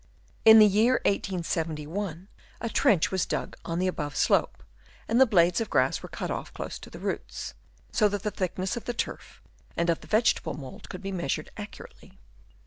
In the year 1871 a trench was dug on the above slope, and the blades of grass were cut off close to the roots, so that the thickness of the turf and of the vegetable mould could be measured accur ately.